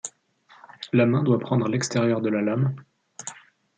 La main doit prendre l'extérieur de la lame.